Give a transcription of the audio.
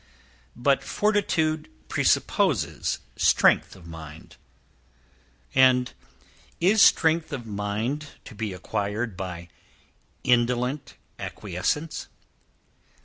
But fortitude presupposes strength of mind, and is strength of mind to be acquired by indolent acquiescence?